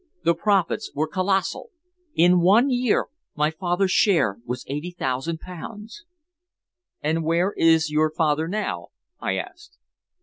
The profits were colossal. In one year my father's share was eighty thousand pounds." "And where is your father now?" I asked.